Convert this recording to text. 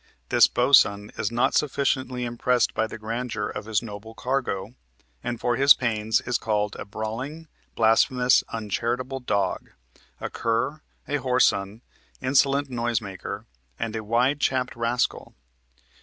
This boatswain is not sufficiently impressed by the grandeur of his noble cargo, and for his pains is called a "brawling, blasphemous, uncharitable dog," a "cur," a "whoreson, insolent noise maker," and a "wide chapped rascal."